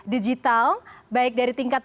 digital baik dari tingkat